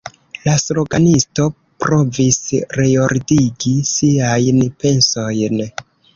La sloganisto provis reordigi siajn pensojn.